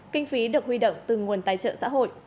kinh phí được huy động từ nguồn tài trợ xã hội